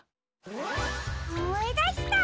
おもいだした！